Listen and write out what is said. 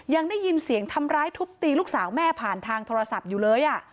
ยังได้ยินเสียงทำร้ายทุบตีลูกสาวแม่ผ่านทางโทรศัพท์อยู่เลย